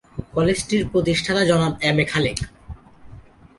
কলেজটির প্রতিষ্ঠাতা জনাব M A Khalek.